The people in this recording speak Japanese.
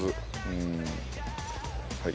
うーんはい。